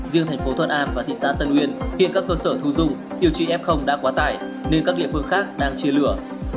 riêng thành phố thuận an và thị xã tân nguyên hiện các cơ sở thu dung điều trị f đã quá tải nên các địa phương khác đang chia lửa